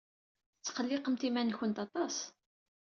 Tetqelliqemt iman-nwent aṭas.